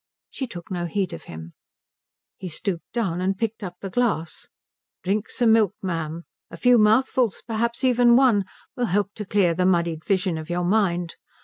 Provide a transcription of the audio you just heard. She took no heed of him. He stooped down and picked up the glass. "Drink some milk, ma'am. A few mouthfuls, perhaps even one, will help to clear the muddied vision of your mind.